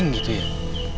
untuk itu porosnya